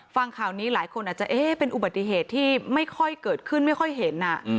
ฟังข่าวนี้หลายคนอาจจะเอ๊ะเป็นอุบัติเหตุที่ไม่ค่อยเกิดขึ้นไม่ค่อยเห็น